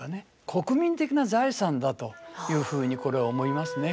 国民的な財産だというふうにこれは思いますね。